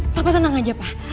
papa tenang aja pah